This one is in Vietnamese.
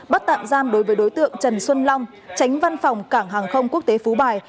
bắt tạm giam đối với đối tượng trần xuân long tránh văn phòng cảng hàng không quốc tế phú bài